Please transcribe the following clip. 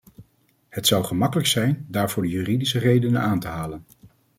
Het zou gemakkelijk zijn daarvoor de juridische redenen aan te halen.